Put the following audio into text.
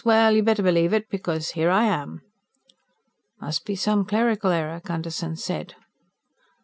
Well, you better believe it, because here I am." "Must be some clerical error," Gunderson said.